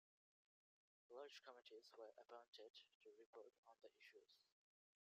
Large committees were appointed to report on the issues.